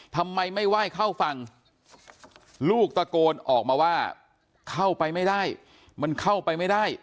ทำไมไม่ไหว้เข้าฝั่งลูกตะโกนออกมาว่าเข้าไปไม่ได้มันเข้าไปไม่ได้